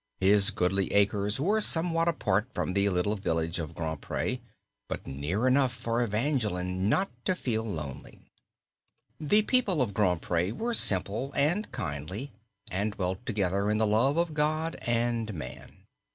His goodly acres were somewhat apart from the little village of Grand Pré, but near enough for Evangeline not to feel lonely. The people of Grand Pré were simple and kindly, and dwelt together in the love of God and man.